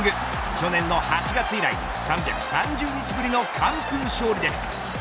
去年の８月以来３３０日ぶりの完封勝利です。